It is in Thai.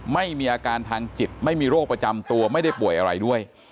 ไม่มีอาการทางจิตไม่มีโรคประจำตัวไม่ได้ป่วยอะไรด้วย